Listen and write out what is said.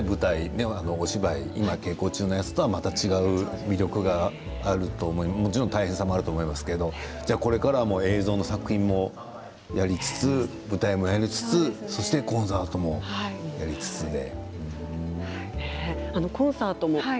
お芝居、今、稽古中のものとは、また違った魅力があると思いますけど大変さもあると思いますけどこれからは映像の作品もやりつつ舞台もやりつつコンサートもやりつつということなんですね。